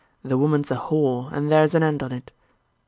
The woman's a whore, and there's an end on't.'